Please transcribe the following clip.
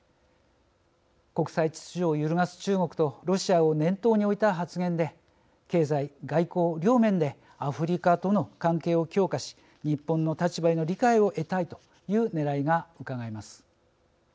国際秩序を揺るがす中国とロシアを念頭に置いた発言で経済・外交両面でアフリカとの関係を強化し日本の立場への理解を得たいというねらいがうかがえます。